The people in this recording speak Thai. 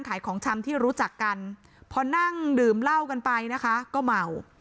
ของชำที่รู้จักกันพอนั่งดื่มเหล้ากันไปนะคะก็เมา